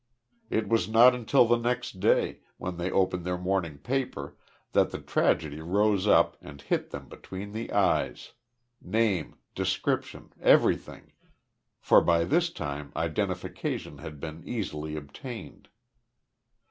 It was not until the next day, when they opened their morning paper, that the tragedy rose up and hit them between the eyes name, description, everything, for by this time identification had been easily obtained.